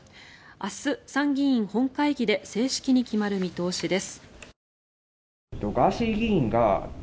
明日、参議院本会議で正式に決まる見通しです。